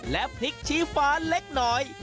และพริกชี้ฟ้าเล็กน้อย